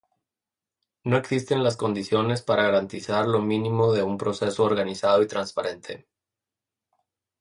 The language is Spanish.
No existen las condiciones para garantizar lo mínimo de un proceso organizado y transparente".